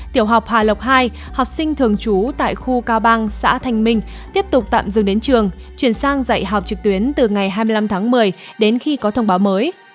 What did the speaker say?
tiểu học hà lộc hai học sinh thường trú tại khu cao băng xã thanh minh tiếp tục tạm dừng đến trường chuyển sang dạy học trực tuyến từ ngày hai mươi năm tháng một mươi đến khi có thông báo mới